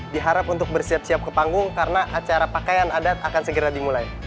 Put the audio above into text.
diharap untuk bersiap siap ke panggung karena acara pakaian adat akan segera dimulai